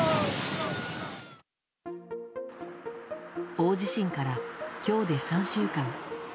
大地震から今日で３週間。